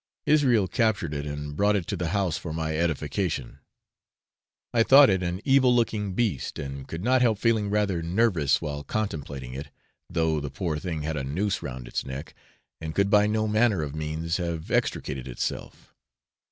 Israel captured it, and brought it to the house for my edification. I thought it an evil looking beast, and could not help feeling rather nervous while contemplating it, though the poor thing had a noose round its neck and could by no manner of means have extricated itself.